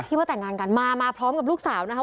ที่ว่าแต่งงานกันมาพร้อมกับลูกสาวนะครับ